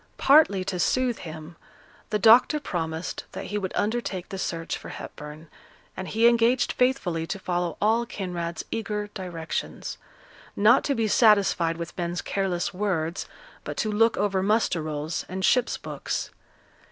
Partly to soothe him, the doctor promised that he would undertake the search for Hepburn, and he engaged faithfully to follow all Kinraid's eager directions; not to be satisfied with men's careless words, but to look over muster rolls and ships' books.